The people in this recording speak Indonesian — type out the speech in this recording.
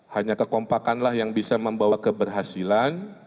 hanya kekompakanlah yang bisa membawa keberhasilan